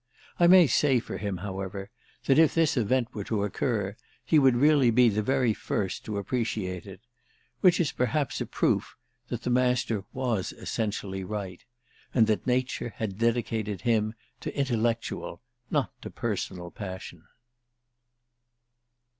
I may say for him, however, that if this event were to occur he would really be the very first to appreciate it: which is perhaps a proof that the Master was essentially right and that Nature had dedicated him to intellectual, not to personal passion.